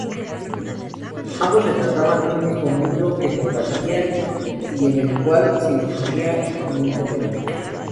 Ambos retrataban un mismo mundo que compartían y en el cual se influían mutuamente.